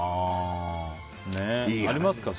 ありますか？